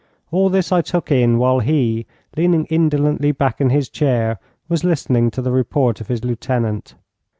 All this I took in while he, leaning indolently back in his chair, was listening to the report of his lieutenant.